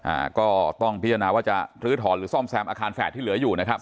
อ่าก็ต้องพิจารณาว่าจะลื้อถอนหรือซ่อมแซมอาคารแฝดที่เหลืออยู่นะครับ